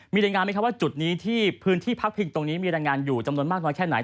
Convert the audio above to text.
มีรายงานไหมครับว่าจุดนี้ที่พื้นที่พักพิงตรงนี้มีรายงานอยู่จำนวนมากน้อยแค่ไหน